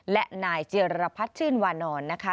และนายเจรพัฒน์ชื่นวานอนนะคะ